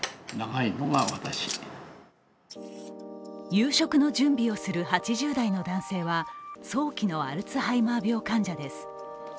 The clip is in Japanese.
夕食の準備をする８０代の男性は早期のアルツハイマー病患者です。